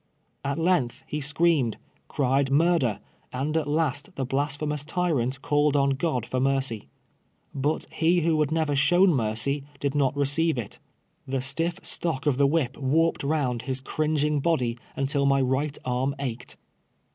At length he screamed — cried murder — and at last the blasphemous tyrant called on God for mercy. But he who had never showm mercy did not receive it. The stiff stock of the whip wai ped round his cringing body until my riglit arm ached.